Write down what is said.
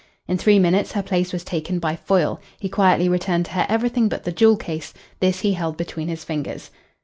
In three minutes her place was taken by Foyle. He quietly returned to her everything but the jewel case. This he held between his fingers.